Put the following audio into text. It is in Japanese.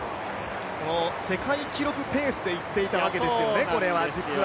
世界記録ペースでいっていたわけですよね、実は。